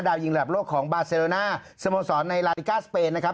ยิงระดับโลกของบาเซโรน่าสโมสรในลาลิกาสเปนนะครับ